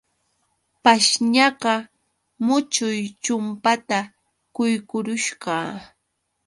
Pashñaqa muchuq chumpata quykurusqa.